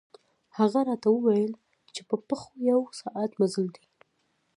هغه راته ووېل چې په پښو یو ساعت مزل دی.